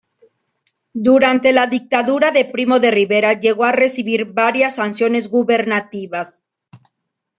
Durante la Dictadura de Primo de Rivera llegó a recibir varias sanciones gubernativas.